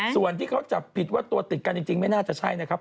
ส่วนที่เขาจับผิดว่าตัวติดกันจริงไม่น่าจะใช่นะครับ